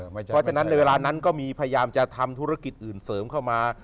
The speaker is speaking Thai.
เพราะฉะนั้นในเวลานั้นก็มีพยายามจะทำธุรกิจอื่นเสริมเข้ามา